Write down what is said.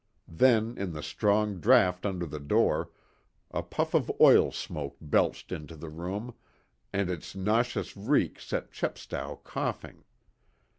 Then, in the strong draught under the door, a puff of oil smoke belched into the room, and its nauseous reek set Chepstow coughing.